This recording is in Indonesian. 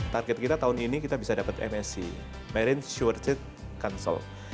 target kita tahun ini kita bisa dapat msc marine suarted council